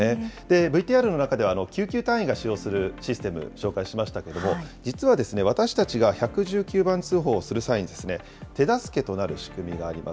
ＶＴＲの中で救急隊員が使用するシステム、紹介しましたけれども、実は私たちが１１９番通報をする際に、手助けとなる仕組みがあります。